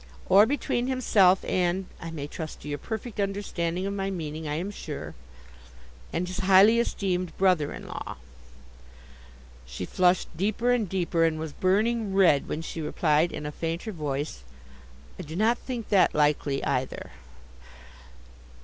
'Or, between himself, and—I may trust to your perfect understanding of my meaning, I am sure—and his highly esteemed brother in law.' She flushed deeper and deeper, and was burning red when she replied in a fainter voice, 'I do not think that likely, either.